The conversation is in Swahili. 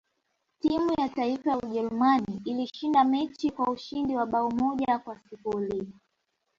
timu ya taifa ya ujerumani ilishinda mechi kwa ushindi wa bao moja kwa sifuri